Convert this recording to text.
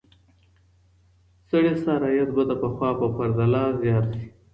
سړي سر عاید به د پخوا په پرتله زیات سي.